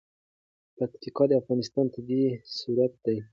پکتیکا د افغانستان طبعي ثروت دی.